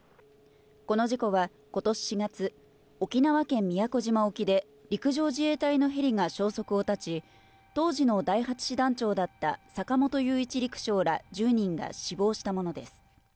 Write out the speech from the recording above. この事故はことし４月、沖縄県宮古島沖で陸上自衛隊のヘリが消息を絶ち、当時の第８師団長だった坂本雄一陸将ら１０人が死亡したものです。